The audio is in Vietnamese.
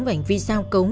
hành vi giao cống